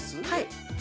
はい。